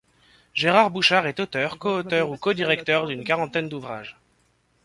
Gérard Bouchard est auteur, coauteur ou codirecteur d’une quarantaine d’ouvrages.